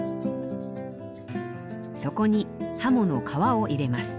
そこに鱧の皮を入れます。